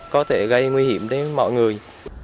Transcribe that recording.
có thể gây nguy hiểm đến mọi người